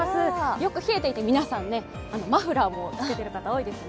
よく冷えていて、皆さんねマフラーもつけている方多いですね。